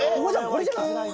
これじゃない？